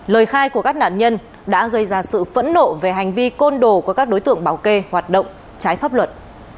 lời khai của các nạn nhân đã gây ra sự phẫn nộ về hành vi côn đồ của các đối tượng bảo kê hoạt động trái pháp luật